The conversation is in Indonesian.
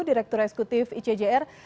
direktur eksekutif icjr